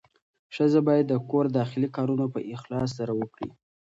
ښځه باید د کور داخلي کارونه په اخلاص سره وکړي.